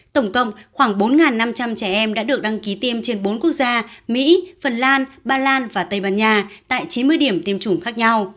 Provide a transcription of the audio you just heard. tổng cộng khoảng bốn năm trăm linh trẻ em đã được đăng ký tiêm trên bốn quốc gia mỹ phần lan ba lan và tây ban nha tại chín mươi điểm tiêm chủng khác nhau